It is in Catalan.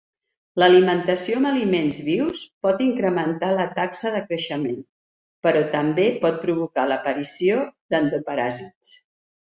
L'alimentació amb aliments vius pot incrementar la taxa de creixement, però també pot provocar l'aparició d'endoparàsits.